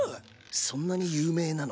そんなに有名なの？